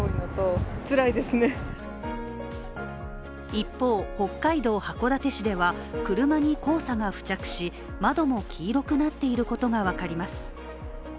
一方、北海道函館市では車に黄砂が付着し窓も黄色くなっていることが分かります。